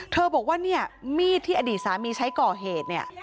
เธอบอกว่ามีดที่อดีตสามีใช้ก่อเหตุ